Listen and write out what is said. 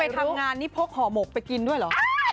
นี่คือไปทำงานนี่พกห่อหมกไปกินด้วยเหรอ